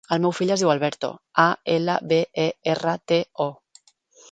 El meu fill es diu Alberto: a, ela, be, e, erra, te, o.